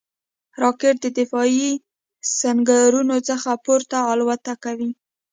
راکټ د دفاعي سنګرونو څخه پورته الوت کوي